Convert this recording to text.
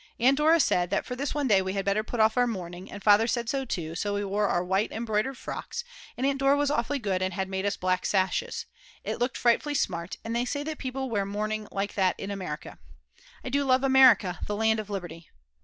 Aunt Dora said that for this one day we had better put off our mourning, and Father said so too, so we wore our white embroidered frocks and Aunt Dora was awfully good and had made us black sashes; it looked frightfully smart, and they say that people wear mourning like that in America. I do love America, the land of liberty.